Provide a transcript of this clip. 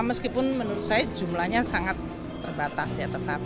meskipun menurut saya jumlahnya sangat terbatas ya